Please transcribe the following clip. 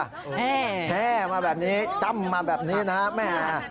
แห่มาแบบนี้จ้ำมาแบบนี้นะฮะแม่